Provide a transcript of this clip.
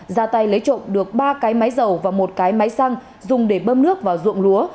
ra tay lấy trộm được ba cái máy dầu và một cái máy xăng dùng để bơm nước vào ruộng lúa